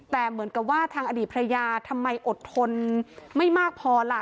แต่เหมือนกับว่าทางอดีตภรรยาทำไมอดทนไม่มากพอล่ะ